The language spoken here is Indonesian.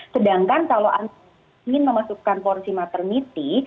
sedangkan kalau anda ingin memasukkan porsi maternity